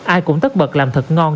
ai cũng tất bật làm thật ngon